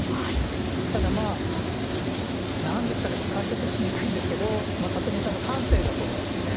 ただまあ何ですかね解説しにくいんですけど里見さんの感性だと思いますね。